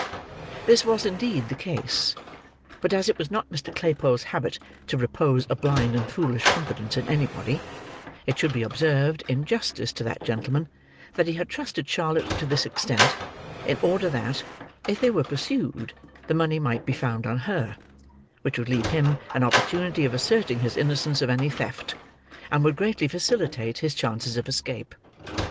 This was indeed the case; but as it was not Mr. Claypole's habit to repose a blind and foolish confidence in anybody, it should be observed, in justice to that gentleman, that he had trusted Charlotte to this extent, in order that, if they were pursued, the money might be found on her: which would leave him an opportunity of asserting his innocence of any theft, and would greatly facilitate his chances of escape.